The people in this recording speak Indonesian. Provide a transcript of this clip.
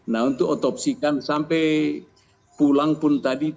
nah untuk otopsikan sampai pulang pun tadi